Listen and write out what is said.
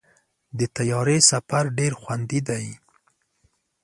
د طیارې سفر ډېر خوندي دی.